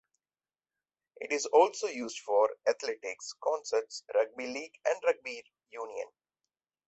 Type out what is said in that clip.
It is also used for athletics, concerts, rugby league and rugby union.